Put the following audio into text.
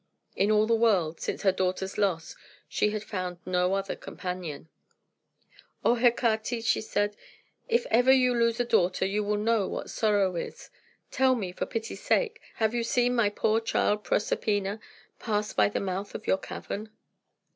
In all the world, since her daughter's loss, she had found no other companion. "O Hecate," said she, "if ever you lose a daughter, you will know what sorrow is. Tell me, for pity's sake, have you seen my poor child Proserpina pass by the mouth of your cavern?"